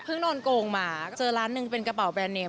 โดนโกงมาเจอร้านหนึ่งเป็นกระเป๋าแบรนดเมม